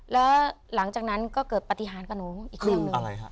แล้วหลังจากนั้นก็เกิดปฏิหารกับหนูอีกเรื่องหนึ่ง